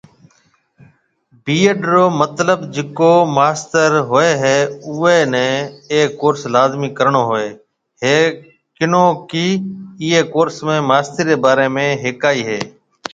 بِي۔ اَيڊ رو متلب جيڪو ماستر هوئي هيَ اُئي نَي اَي ڪورس لازمِي ڪرڻو هوئي هيَ ڪنو ڪي ايئي ڪورس ۾ ماسترِي ري باري ۾ هِيکائي هيَ۔